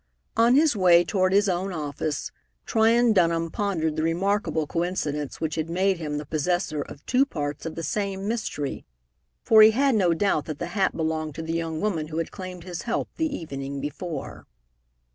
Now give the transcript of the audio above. On his way toward his own office, Tryon Dunham pondered the remarkable coincidence which had made him the possessor of two parts of the same mystery for he had no doubt that the hat belonged to the young woman who had claimed his help the evening before.